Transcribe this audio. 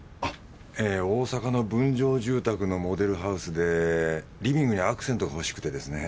ええ大阪の分譲住宅のモデルハウスでリビングにアクセントがほしくてですね。